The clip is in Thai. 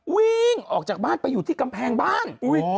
วิ่งออกจากบ้านไปอยู่ที่กำแพงบ้าน